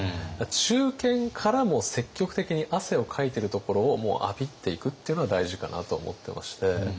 中堅からも積極的に汗をかいてるところをもうアピっていくっていうのが大事かなと思ってまして。